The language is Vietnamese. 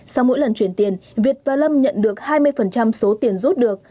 sau mỗi lần chuyển tiền việt và lâm nhận được